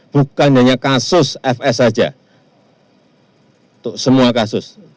bukan hanya kasus fs saja untuk semua kasus